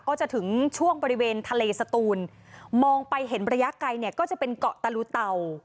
ก็จะถึงช่วงบริเวณทะเลสตูนมองไปเห็นระยะไกลเนี่ยก็จะเป็นเกาะตะลูเตา